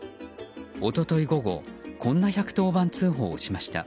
一昨日午後こんな１１０番通報をしました。